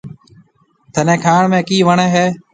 ٿَني کائڻ ۾ ڪِي وڻيَ هيَ؟